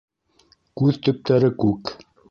Күҙ төптәре күк.